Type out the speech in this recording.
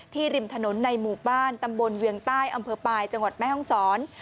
ริมถนนในหมู่บ้านตำบลเวียงใต้อำเภอปลายจังหวัดแม่ห้องศร